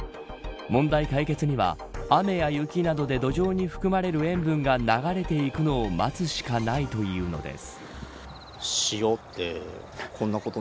問題解決には雨や雪などで土壌に含まれる塩分が流れていくのを待つしかないというのです。